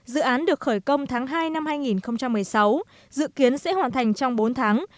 dự án được khởi công tháng hai năm hai nghìn một mươi sáu dự kiến sẽ hoàn thành trong bốn tháng